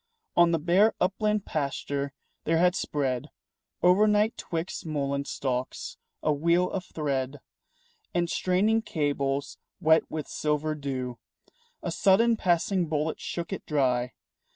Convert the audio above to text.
On the bare upland pasture there had spread O'ernight 'twixt mullein stalks a wheel of thread And straining cables wet with silver dew. A sudden passing bullet shook it dry.